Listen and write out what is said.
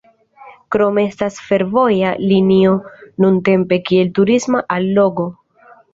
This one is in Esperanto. Krome estas fervoja linio nuntempe kiel turisma allogo.